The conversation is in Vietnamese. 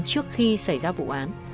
trước khi xảy ra vụ án